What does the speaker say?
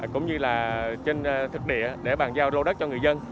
cũng như là trên thực địa để bàn giao lô đất cho người dân